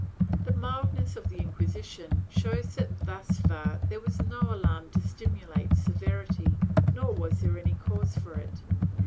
The mildness of the Inquisition shows that thus far there was no alarm to stimulate severity, nor was there any cause for it.